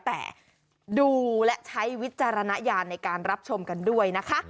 แต่ดูและใช้วิจารณญาณในการรับชมกันด้วยนะคะ